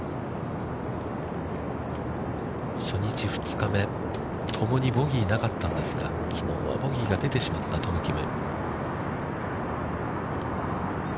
初日、２日目、ともにボギーはなかったんですが、きのうはボギーが出てしまったトム・キム。